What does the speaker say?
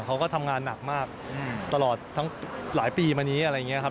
เขาก็ทำงานหนักมากตลอดทั้งหลายปีมานี้อะไรอย่างนี้ครับ